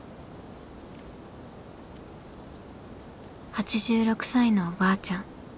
８６歳のおばあちゃん。